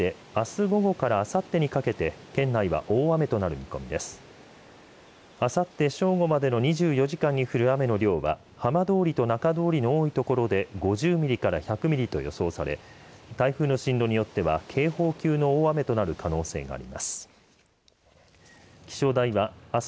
あさって正午までの２４時間に降る雨の量は浜通りと中通りの多い所で５０ミリから１００ミリと予想され台風の進路によっては警報級の大雨となる可能性があります。